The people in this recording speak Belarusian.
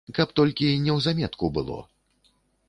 Толькі каб неўзаметку было.